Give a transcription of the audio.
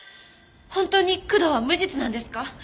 本当に工藤は無実なんですか？